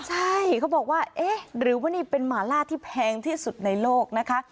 ใช่เขาบอกว่าเอ๊ะหรือว่านี่เป็นหมาล่าที่แพงที่สุดในโลกนะคะ